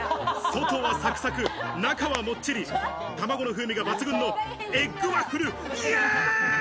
外はサクサク、中はもっちり、卵の風味が抜群のエッグワッフル！